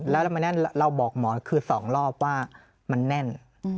แล้วเราบอกหมอคือ๒รอบว่ามันแน่น